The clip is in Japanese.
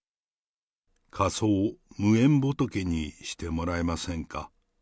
火葬、無縁仏にしてもらえませんか。